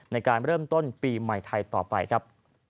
ในการเริ่มต้นปีใหม่ไทยต่อไปครับ